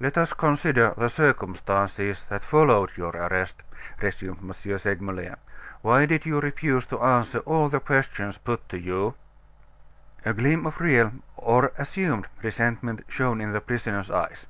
"Let us consider the circumstances that followed your arrest," resumed M. Segmuller. "Why did you refuse to answer all the questions put to you?" A gleam of real or assumed resentment shone in the prisoner's eyes.